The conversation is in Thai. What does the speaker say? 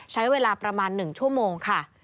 ใช้เวลาประมาณ๑ชั่วโมงค่ะ